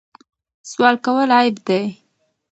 سوال کول عیب دی.